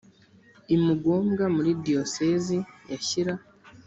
i mugombwa muri diyosezi ya shyira